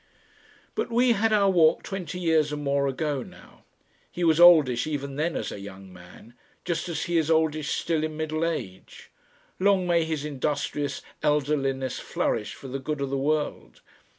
But we had our walk twenty years and more ago now. He was oldish even then as a young man, just as he is oldish still in middle age. Long may his industrious elderliness flourish for the good of the world!